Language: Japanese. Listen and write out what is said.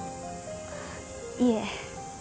いえ。